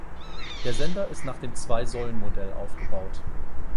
Der Sender ist nach dem Zwei-Säulen-Modell aufgebaut.